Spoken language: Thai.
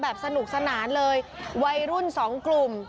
วัยรุ่นสองกลุ่ม